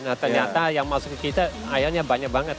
nah ternyata yang masuk ke kita airnya banyak banget